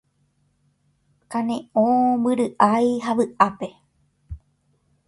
Kane'õ, mbyry'ái ha vy'ápe